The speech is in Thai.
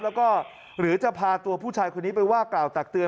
แล้วก็หรือจะพาตัวผู้ชายคนนี้ไปว่ากล่าวตักเตือ